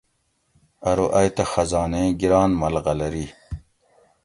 ارو ائ تہ خزان ایں گِران ملغلری